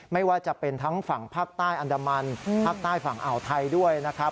ไม่ว่าจะเป็นทั้งฝั่งภาคใต้อันดามันภาคใต้ฝั่งอ่าวไทยด้วยนะครับ